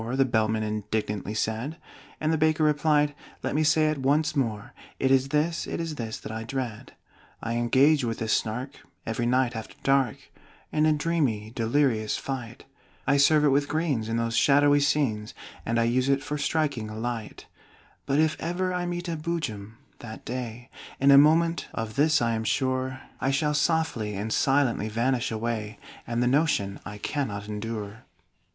The Bellman indignantly said. And the Baker replied: "Let me say it once more; It is this, it is this that I dread! "I engage with the Snark every night after dark In a dreamy delirious fight; I serve it with greens in those shadowy scenes, And I use it for striking a light: "But if ever I meet with a Boojum, that day, In a moment (of this I am sure), I shall softly and silently vanish away And the notion I cannot endure!"